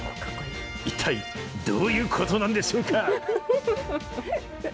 一体どういうことなんでしょうか。